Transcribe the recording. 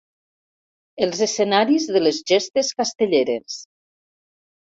Els escenaris de les gestes castelleres.